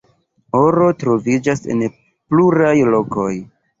Oro troviĝas en pluraj lokoj.